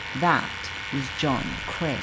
That was John Craik."